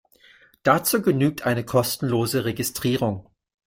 Dazu genügt eine kostenlose Registrierung.